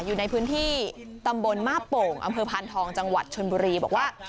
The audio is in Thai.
อยู่ในพื้นที่ตำบลมาบโป่งอำเภอพานทองจังหวัดชนบุรีบอกว่า